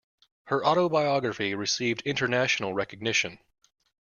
Her autobiography received international recognition.